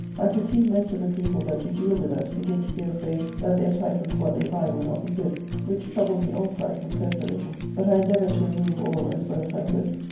I perceive most of the people that do deal with us begin to be afraid that their title to what they buy will not be good. Which troubled me also I confess a little, but I endeavoured to remove all as well as I could.